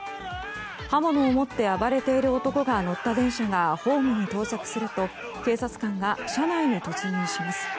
刃物を持って暴れている男が乗った電車がホームに到着すると警察官が車内に突入します。